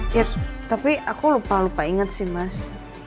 kirs tapi aku lupa lupa inget sih mas